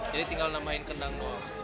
jadi tinggal namain ke dangdut